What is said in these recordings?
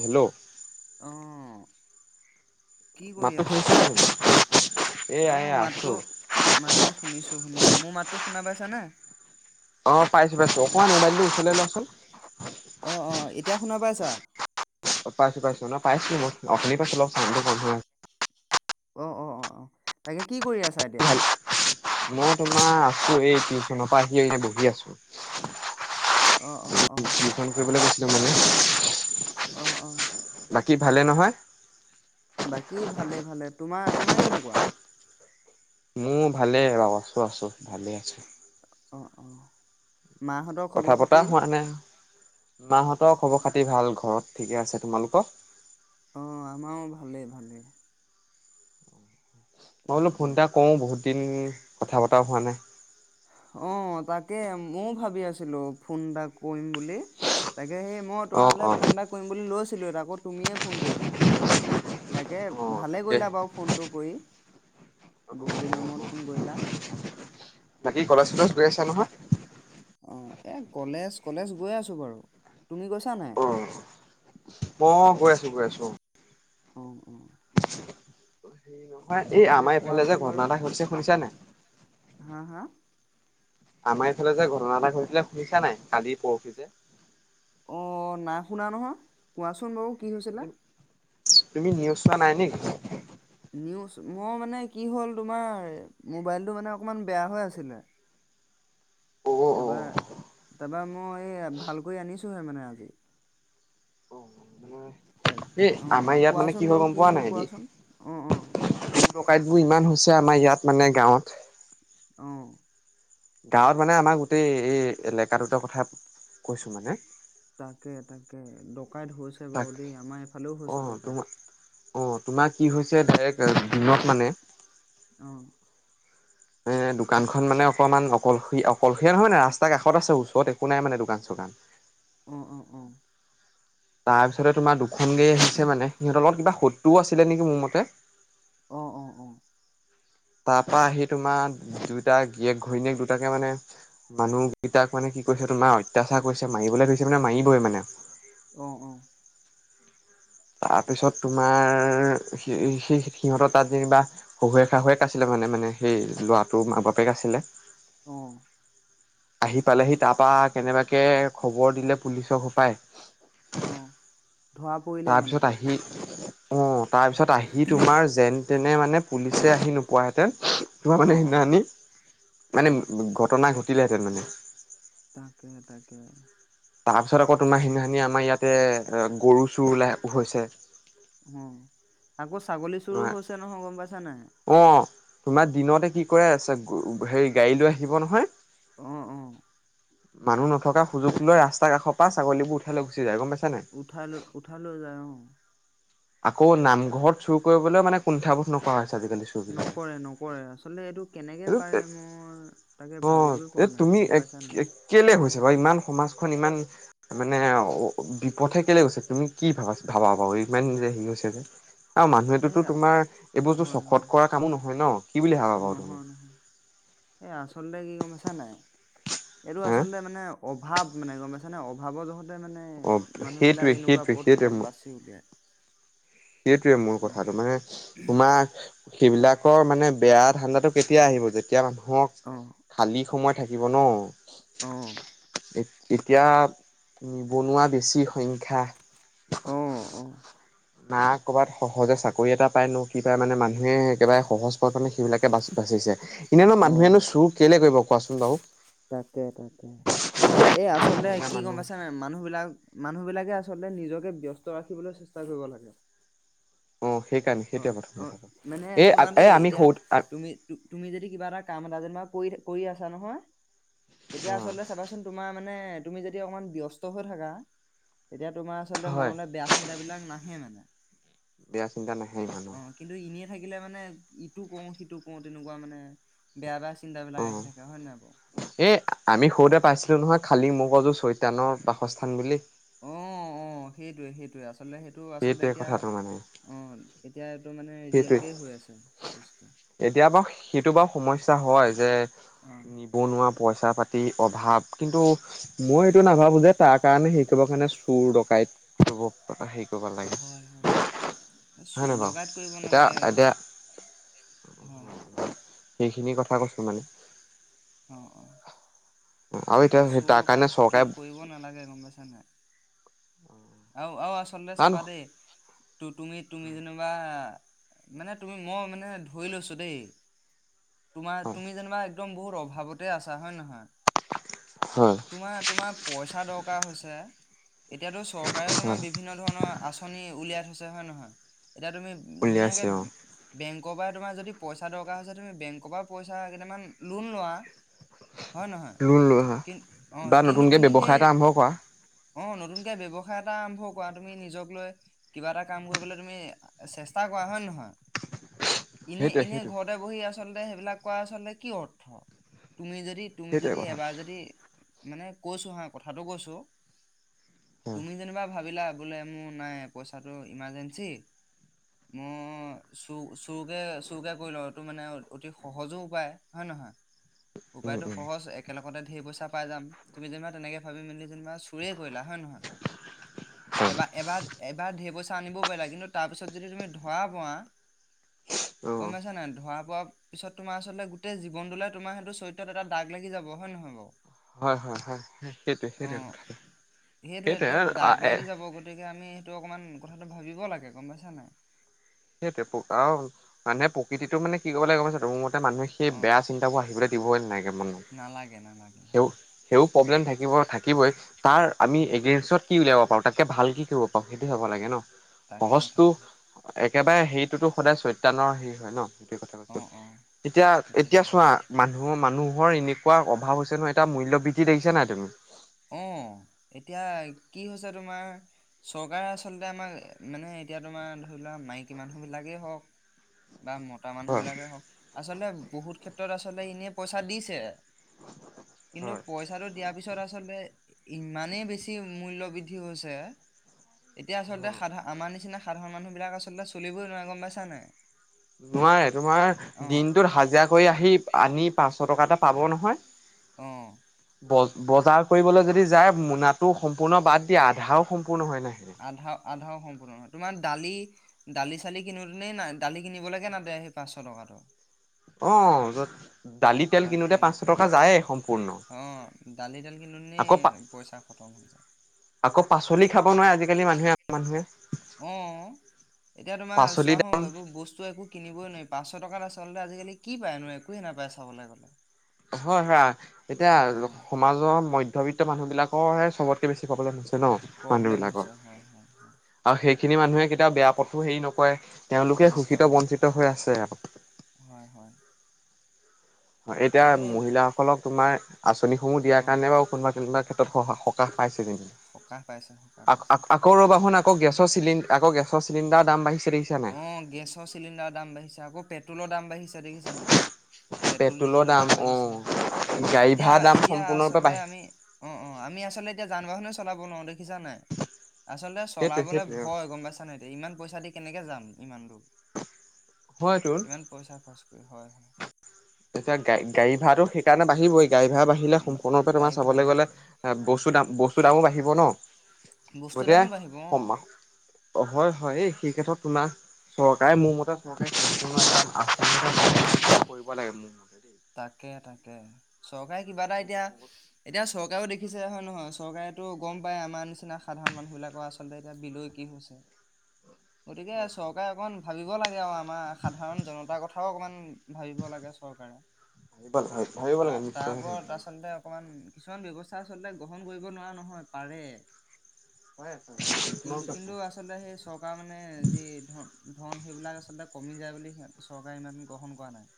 Hello অঁ। কি কৰি মাতটো আছা? শুনিছানে তুমি? এয়া অ এয়া আছো। মাতটো। মাতটো শুনিছো শুনিছো। মোৰ মাতটো শুনা পাইছানে? অ পাইছো পাইছো অকমাণ মোবাইলটো ওচলে লোৱাচোন। অ অ এতিয়া শুনা পাইছা? অ পাইছো পাইছো, শুনা পাইছো মই শুনি পাইছো অলপ। চাৱনটো কম হৈ আছিলে। অ', অ', অ', অ', তাকে কি কৰি আছা এতিয়া? আছে। মই তোমাৰ আছোঁ এই টিউচনৰ পৰা আহি এই বহি আছোঁ। অ', অ', অ'। ফুৰিবলৈ গৈছিলোঁ মানে [inaudible] অ', অ'। বাকী ভালে নহয়? বাকী ভালে, ভালে। তোমাৰ, তোমাৰ কেনেকুৱা? মোৰ ভালে বাৰু, আছোঁ আছোঁ ভালে আছোঁ। অ', অ', মাহঁতৰ কথা খবৰ পতা খাতি? হোৱা নাই। মাহঁতৰ খবৰ খাতি ভাল ঘৰত ঠিকে আছে। তোমালোকৰ? অ', আমাৰও ভালে, ভালে। মই বোলো তাকে ফোন এটা কৰোঁ, বহুত দিন কথা বতৰাও হোৱা নাই। অ', তাকেই ময়ো ভাবি আছিলোঁ ফোন এটা কৰিম বুলি। তাকে সেই মই অ' তোমালৈ অ' ফোন এটা কৰিম বুলি লৈছিলোঁয়ে, আকৌ তুমিয়ে ফোন কৰিলা। তাকে অ' ভালে তাকে। কৰিলা বাৰু। ফোনটো কৰি, বহুদিনৰ মূৰত ফোন কৰিলা। বাকী কলেজ চলেছ গৈ আছা নহয়? এ, কলেজ কলেজ গৈ আছোঁ বাৰু। তুমি গৈছা নাই? অ' মই গৈ আছোঁ, গৈ আছোঁ অ'। অ', অ'। তাপা এই তাকে আমাৰ এইফালে কোৱাচোন যে বাৰু ঘটনা এটা হৈছে শুনিছা নে নাই? হা, হা? আমাৰ এইফালে যে ঘটনা এটা ঘটিলে শুনিছা নাই? কালি পৰহি যে। অ', নাই শুনা নহয়। কোৱাচোন বাৰু কি হৈছিলে? তুমি নিউজ ছোৱা নাই নি? নিউজ, মোৰ মানে কি হ'ল তোমাৰ মোবাইলটো মানে অকণমান বেয়া হৈ আছিলে। অ অ অ তাপা, তাপা মই এই ভাল কৰি আনিছোহে মানে আজি। [inaudible] তাক এই আমাৰ অ', ইয়াত মানে কোৱাচোন হয় বাৰু কি হ'ল কোৱাচোন অ', অ'। চুৰ ডকাইতবোৰ ইমান হৈছে আমাৰ ইয়াত মানে গাঁৱত। অ'। গাঁৱত মানে আমা গোটেই এই এলেকাটোতে কথা কৈছো মানে। তাকে, তাকে ডকাইত হৈছে তাক বাৰু দেই আমাৰ এইফালেও অ হৈছে ডকাইত। তোমাৰ অ', তোমাৰ কি হৈছে ডাইৰেক্ট দিনত মানে। অ'। [inaudible] এ দোকানখন মানে অকণমান অকলশয়ী অকলশৰীয়া নহয় মানে ৰাস্তা কাষত আছে, ওচৰত একো নাই মানে দোকান চোকান। অ', অ', অ'। তাপিছতে তোমাৰ দুখন গাড়ী আহিছে মানে, সিহঁতৰ লগত কিবা শত্ৰুও আছিলে নেকি মোৰ মতে। অ', অ', অ'। তাৰপা আহি তোমাৰ দুইটা গিয়েক ঘৈণীয়েক দুটাকে মানে মানুহকেইটাক মানে কি কৰিছে তোমাৰ অত্যাচাৰ কৰিছে মাৰিবলৈ ধৰিছে মানে মাৰিবই মানে। অ', অ'। তাৰপিছত তোমাৰ সে-সেই-সিহঁতৰ তাত যেনিবা শহুৱেক শাহুৱেক আছিলে মানে মানে সেই ল'ৰাটো মাঁক বাপেক আছিলে। অ'। আহি পালেহি তাৰাপা কেনেবাকে খবৰ দিলে পুলিচক হ'বপায়। অ'। ধৰা পৰি তাৰপিছত আহি অ' তাৰপিছত আহি তোমাৰ যেন তেনে মানে পুলিচে আহি নোকোৱা হেঁতেন মই অ মানে অ সাদিনাখনেই অ মানে ঘটনা ঘটিলে হেঁতেন মানে। তাকে, তাকে। তাৰ পিছত আকৌ তোমাৰ সেইদিনা‌ খনি আমাৰ ইয়াতেই গৰু চোৰ ওলাই হৈছে। হুম, আকৌ ছাগলী চোৰ তোমাৰ হৈছে নহয় গ'ম পাইছা নাই? অ', তোমাৰ দিনতে ঠিক কৰা আছে, গৰু হেৰি গাড়ী লৈ আহিব নহয়। অ', অ'। মানুহ নথকা সুযোগ লৈ ৰাস্তা কাষৰ পা ছাগলীবোৰ উঠাই লৈ গুচি যায়, গ'ম পাইছ নাই। উঠা উঠা লৈ যায় অ'। আকৌ নামঘৰত চোৰ কৰিবলৈ মানে কুণ্ঠাবোধ নকৰা হৈছে আজিকালি। চুৰবিলাকে। নকৰে, নকৰে আচলতে এইটো কেনেকে এইটো পাৰেনো, তাকে ভাবিবই পোৱা নাই গ'ম পাইছ নাই। কেলৈ হৈছে বাৰু ইমান সমাজখন ইমান মানে আৰু বিপথে কেলৈ গৈছে, তুমি কি ভাবা ভাবা বাৰু ইমান হেৰি হৈছে যে? আৰু মানুহেটো এয়া তোমাৰ এইবোৰ হয় হয় চখত কৰা কামো নহয় ন? কি বুলি ভাবা বাৰু তুমি নহয়, এইয়া আচলতে কি গ'ম পাইছে নাই, এইটো হা আচলতে মানে। অভাৱ মানে গ'ম পাইছানে অভাৱৰ যহত এতিয়া মানে, অ মানুহবিলাক সেইটোৱে এনেকুৱা সেইটোৱে পথ সেইটোৱে বিলাক মোৰ বাচি উলিয়ায়। সেইটোৱে মোৰ কথাটো মানে তোমাৰ সেইবিলাকৰ মানে বেয়া ধান্দাটো কেতিয়া আহিব যেতিয়া মানুহৰ অ খালী সময় থাকিব ন? অ' এত এতিয়া নিবনুৱা বেছি সংখ্যা অ', অ'। না কৰ'বাত সহজে চাকৰি এটা পাইনে সেইকাৰণে মানুহে একেবাৰে সহজ পাই পেলায় সেইবিলাকে বাচ বাচিছে। এনেইনো অ', মানুহেনো চোৰ কেলেই কৰিব কোৱাচোন বাৰু? তাকে, তাকে। এই আচলতে এয়া কি গ'ম মানুহ পাইছ নাই, মানুহ বিলাক মানুহ বিলাকে আচলতে নিজকে ব্যস্ত ৰাখিবলৈ চেষ্টা চাই যাৱ লাগে। অ সেইকাৰণে অ', সেইটোৱে প্ৰথম অ' কথা মানে এ শুনা এ দেই আমি এতিয়া সৰু তুমি তুম, তুমি যদি কিবা এটা কাম এটা যেনিবা কৰি কৰি আছা নহয়, তেতিয়া অ আচলতে চাবাচোন, তোমাৰ মানে তুমি যদি অকনমান ব্যস্ত হৈ থাকা, তেতিয়া তোমাৰ আচলতে হয় মনলৈ বেয়া চিন্তা চিন্তা বিলাক নাহে মানে। বেয়া চিন্তা নহে ইমান। অ', কিন্তু, এনেই থাকিলে মানে ইটো কৰো সিটো কৰো তেনেকুৱা মানে বেয়া-বেয়া চিন্তা অ বিলাক আহি থাকে হয় নহয় বাৰু? এই, আমি সৰুতে পাইছিলো নহয় খালি মগজু চৈতানৰ বাসস্থান বুলি। অ', অ' সেইটোৱে সেইটোৱে, আচলতে সেইটো আচলতে সেইটোৱে এতিয়া কথাটো মানে অ', এতিয়া এইটো মানে সেইটোৱে ৰিয়েকেয়ে হৈ আছে বস্তু। এতিয়া বাৰু সেইটো বাৰু সমস্যা হয়। যে অ উ বনোৱা পইচা পাতি অভাৱ কিন্তু মই এইটো নাভাবোঁ যে তাৰ কাৰণে শিকিব কাণে চোৰ, ডকাইত শিৱক হেই কৰিব হয় হয় লাগে হয় চোৰ নে বাও? ডকাইত কৰিব এতিয়া নালাগে এতিয়া হয় সেইখিনি কথা কছোঁ মানে অ', অ', আৰু এতিয়া তাকে সেই চোৰ, তাৰ কাৰণে ডকাইত কি চৰকাৰে কৰিব নালাগে গম পাইছা নাই। আও আও আচলতে কাৰণ চাবা হয় দেই তু তুমি তুমি যেনেক বা মানে তুমি ম মানে ধৰি লৈছোঁ দেই। তোমা তুমি যনিবা একদম বহুত অভাৱতে আছা হয় নহয় হয়। তোমা তোমা পইচা দৰকা হছে এতিয়াতো চঅকাৰেও তোমা হয় বিভিন্ন ধৰণঅ আচ [unintelligible] উলিয়াই থৈছে হয় নহয় এতিয়া তুমি ধুনীয়াকে উলিয়াইছে অ বেং ক পাই তোমা যদি পইচা দৰকা হৈছে তুমি বেংক পা পইচা কেটামান লোণ লোৱা হয় নহয় লোন লোৱা কিন অ', বা কিন্তু নতুনকে তুমি ব্যৱসায় সেই এটা আৰম্ভ কৰা অ', নতুনকে ব্যৱস [unintelligible] এটা আঅম্ভ কআ তুমি নিজক লৈ কিবা এটা কাম কইবলৈ আ, তুমি চেষ্টা কআ হয় নহয় [inaudible] ইনে ইনে সেইটোৱে ঘঅতে বহি আচলতে সেইবিলাক কআ আচলতে কি অৰ্থ তুমি যদি তুমি সেইটোৱে যদি কথা এবা যদি মানে কছোঁ হা কথাটো কছোঁ তুমি যেনিবা ভাবিলা বোলে মো নাই পইচাটো ইমাজেঞ্চি ম চো চোকে চোৰকে কৰি [unintelligible] টো মানে আও অতি সহজো উপায় হয় নহয় উম উপায়টো উম সহজ একে লগতে ঢে পইচা পাই যাম। তুমি যেনিবা তেনেকে ভাবি মেলি যেনিবা চোৰে কৰিলা হয় নহয় এবা এবাঅত এবাঅত ঢে পইচা আনিবও পাৰিলা কিন্তু তা পিছত যদি তুমি ধআ পআ গম উম পাইছা নাই ধআ পআ পিছত তোমা আচলতে গোটে জীৱনটোলে তোমা সেইটো চইত্ৰত এটা দাগ লাগি যাব হয় নহয় বাও হয় হয় হয় উম সেটোৱে সেটোৱে কথা [unintelligible] সেইটোৱে সেটোৱে এটা [unintelligible] [unintelligible] গতিকে আমি সেটো অকমান কথাটো ভাবিব লাগে গম পাইছা নাই সেটোৱে প আঅ, মানুহে পকিতিটো মানে কি কইব লাগে গম পাইছা [unintelligible] মতে মানুহে শি সেই বেয়া অ' চিন্তাবো আহিবলে দিবই নাগে মনত। [unintelligible] লাগে সেবো সেবো পব্লেম থাকিব থাকিবই তাৰ আমি হয়। এগেইনষ্টত কি উলিয়াব পাৰো তাতকে ভাল কি কইব পাও সেইটো হ'ব লাগে ন তাকে সহজটো তাকে। একেবাৰে হেইটোতো সদায় চৈত্ৰানৰ হেৰি হয় অ ন অ [unintelligible] এতিয়া সেইটো এতিয়া হয় চোৱা বাৰু। মানুহ মানুহৰ এনেকুৱা অভাৱ হৈছে নহয় এটা মূল্য বৃদ্ধি দেখিছা নাই তুমি অ', এতিয়া কি হৈছে তোমাৰ চ কাৰে আচলতে আমা মানে এতিয়া তোমা ধৰি লোৱা মাইকী মানুহবিলাকেই হওঁক বা মতা মানুহ হয় বিলাকে হওঁক আচলতে বহুত ক্ষেত্ৰত আচলতে ইনে পইচা দিছে কিন্তু হয় পইচাটোত দিয়া পিছত আচলতে ইমানেই বেছি মূল্য বিদ্ধি হছে এতিয়া আচলতে সাধা আমা নিচিনা সাধাৰণ মানুহবিলাক আচলতে চলিবই নোৱাৰে গম পাইছা নাই নোৱাৰে তোমাৰ অ', দিনটোত হাজিৰা কৰি আহি আনি পাঁচশ টকা এটা পাব নহয় অ'। বজ বজাৰ কৰিবলৈ যদি যায় মোনাটো সম্পূৰ্ণ বাদ দিয়া আধাও সম্পূৰ্ণ হয় নাই আধাও আধাও সম্পূৰ্ণ নহয় তোমাৰ দালি দালি চালি কিনোতেনে নাই দালি কিনিব লেকে নাটে সেই পাঁচশ টকাটো। অ'ত দালি তেল কিনোতে পাঁচশ টকা যায়েই সম্পূৰ্ণ। অঁ দালি দাল কিনোমানে আকৌ পা পইচা খতম হৈ যায়। আকৌ পাচলি খাব নোৱাৰে আজিকালি মানুহে মানুহে। অ এতিয়া তোমাৰ পাচলি চোৱা হ এইবোৰ বস্তু একো, কিনিবই নোৱাৰি পাঁচশ টকাত আচলতে আজিকালি কি পায়নোয় একোৱে নাপায় চাবলৈ গ'লে। হয় হয় এতিয়া, অ', সমাজৰ মধ্যবিত্ত মানুহবিলাকৰহে চবতকে বেছি প্ৰব্লেম হৈছে ন। মানুহ প্ৰব্লেম বিলাকৰ হৈছে হয় হয় হয়। আৰু সেইখিনি মানুহে কেতিয়াও বেয়া পথো হেৰি নকৰে, তেওঁলোকে নকৰে শোষিত বঞ্চিত নকৰে হৈ আছে আৰু, হয় হয়। হয়, এতিয়া তাকে মহিলাসকলক তোমাৰ আঁচনিসমূহ অ দিয়াৰ কাৰণে বাৰু কোনোবা কোনোবা ক্ষেত্ৰ, ত স সকাহ পাইছে যেনিবা। সকাহ পাইছে সকাহ। আ পাইছে। আকৌ আকৌ ৰ'বা হোন আকৌ গেছৰ চিলি আকৌ গেছৰ চিলিণ্ডাৰ দাম বাঢ়িছে দেখিছা। নাই? অঁ গেছৰ চিলিণ্ডাৰৰ দাম বাঢ়িছে আকৌ পেট্ৰলৰ দাম বাঢ়িছে দেখিছান নাই। পেট্ৰল পেট্ৰলৰ ডিজেলৰ দাম অ বাঢ়িছে, গাড়ী এতিয়া ভাড়া দাম এতিয়া সম্পূৰ্ণৰূপে আচলতে বাঢ়ি আমি। অঁ অঁ আমি আচলতে এতিয়া যান বাহনো চলাব নোৱাৰোঁ দেখিছান নাই। আচলতে সেইটোৱে চলাবলে সেইটোৱে অ ভয় গম পাইছান নাই এতিয়া, ইমান পইচা দি কেনেকে যাম ইমান দূৰ। হয়তোৰ। ইমান পইচা খৰচ কৰি, হয় হয়। এতিয়া গাড়ী গাড়ীটো ভাড়াটো সেইকৰণে বাঢ়িবই গাড়ী ভাড়া বাঢ়িলে সম্পূৰ্ণকে তোমাৰ গাড়ী ভাড়া চাবলৈ গ'লে, বাঢ়িব হয় বস্তু দাম বস্তু দামো বাঢ়িব ন, বস্তুৰ গতিকে দামো বাঢ়িব অ সমা অঁ হয় হয়েই সেই ক্ষেত্ৰত তোমাৰ, চৰকাৰে মোৰ মতে চৰকাৰে সম্পূৰ্ণ এটা আঁচনি এটা। হ'ব লাগে মোৰ। মতে দেই। তাকে তাকে, চৰকাৰে কিবা এটা এই এতিয়া, প্ৰসংগত এতিয়া চৰকাৰেও দেখিছে হয় নহয়, চৰকাৰেতো গম পাই আমাৰ নিচিনা সাধাৰণ মানুহ বিলাকৰ আঁচ, আচলতে এতিয়া বিলৈ কি হৈছে। [inaudible] গতিকে চক চৰকাৰে অকণ ভাবিব লাগে আৰু আমাৰ সাধাৰণ জনতাৰ কথাও অকমান ভাবিব লাগে চৰকাৰে। হয় হয়। তা তা তাৰপৰা তাচত। আচলতে অকণমান কিছুমান ব্যৱস্থা আচলতে গ্ৰহণ কৰিব নোৱাৰা নহয়, পাৰে। হয় কিন্তু কিন্তু [unintelligible] আচলতে সেই চৰকাৰ মানে যি ধন ধন সেইবিলাক আচলতে কমি যায় বুলি কয় চৰকাৰে ইমান গ্ৰহণ কৰা নাই।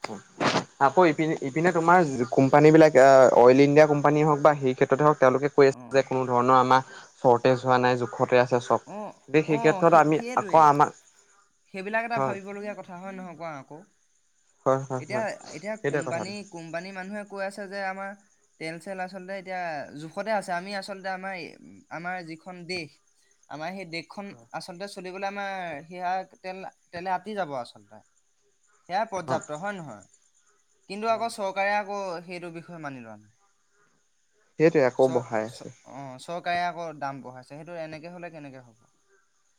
[unintelligible] আকৌ ইপিনে ইপিনে তোমাৰ কোম্পানী বিলাকে অইল ইণ্ডিয়া কোম্পানীয়ে হওঁক বা সেই ক্ষেত্ৰতে হওঁক তেওঁলোকে, কৈ অ আছে যে কোনো ধৰণৰ আমাৰ চৰতেষ্ট হোৱা নাই জো জোখতে আছে চব, অ গতিকে অ সেই ক্ষেত্ৰত আমি সেইটোৱে আকৌ আমাক, সেইবিলাক এটা হয় ভাবিবলগীয়া কথা হয় নহয় কোৱা আকৌ, হয় হয় এতিয়া হয় এতিয়া সেইটোৱে কথাটো। কোম্পানী কোম্পানীৰ মানুহে কৈ আছে যে আমাৰ, তেল চেল আচলতে এতিয়া জোখতে আছে আমি আচলতে আমাৰ আমাৰ যিখন দেশ, আমাৰ সেই দেশখন আচলতে চলিবলে আমাৰ সেয়া তেল তেলে আতি যাব আচলতে। সেয়াই পৰ্যাপ্ত হয় নহয়? কিন্তু আকৌ হয় চ চৰকাৰে আকৌ সেইটো বিষয়ে মানি লোৱা নাই, সেইটোৱে আকৌ চ বঢ়াই চ আছে অ চৰকাৰে আকৌ দাম বঢ়াইছে সেইটো এনেকে হ'লে কেনেকে হ'ব।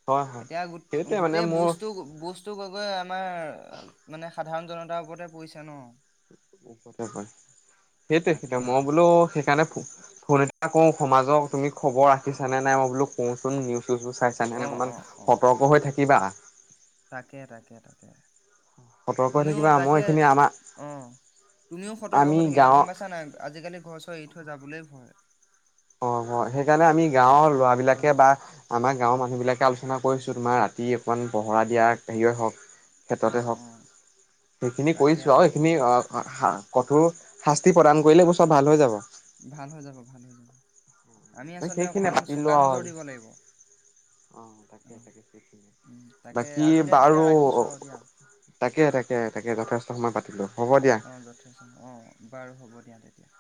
হয় হয়। এতিয়া গোট সেইটোৱে গোট মানে মোৰ বোজটো গৈ গৈ আমাৰ মানে সাধাৰণ জনতাৰ ওপৰতে পৰিছে ন। সেইটোৱে তাকে মই তাকে বোলো সেইকাৰণে ফো ফোন এটা ন এটাকে কৰো সমাজৰ তুমি খবৰ ৰাখিছা নে নাই মই বোলো কওঁচোন নিউজ-চিউজবোৰ চাইছানে অ তেনেহ'লে অ অকণমান অ সতৰ্ক হৈ থাকিবা তাকে তাকে তাকে সতৰ্ক হৈ তুমিও থাকিবা মই তাকে এইখিনি আমাৰ অ তুমিও সতৰ্ক আমি হৈ থাকিবা গাঁৱৰ গম পাইছা নে নাই, আজিকালি ঘৰ-চৰ এৰি থৈ যাবলেই ভয়। অ অ সেইকাৰণে আমি গাঁৱৰ অ ল'ৰাবিলাকে বা আমাৰ গাঁৱৰ মানুহবিলাকে আলোচনা কৰিছো তোমাৰ ৰাতি অকণমান পহৰা দিয়া হেৰিয়ে হওঁক অ ক্ষেত্ৰতে হওঁক, অ সেইখিনি তাকে কৰিছোঁ আৰু তাকে সেইখিনি তাকে অ শা কঠোৰ শাস্তি প্ৰদান কৰিলে এইবোৰ চব ভাল হৈ যাব। ভাল হৈ যাব ভাল হৈ যাব, আমি আচলতে সেইখিনিয়ে অকমান পাতিলো চোকা আৰু নজৰ দিব লাগিব। অ, তাকে অ তাকে সেইখিনিয়ে। উম তাকে বাকী আজিলৈ তেতিয়া বাৰু ৰাখিছো আৰু দিয়া তাকে তাকে তাকে যথেষ্ট সময় পাতিলো হ'ব দিয়া। যথেষ্ট অ, বাৰু হ'ব দিয়া তেতিয়া।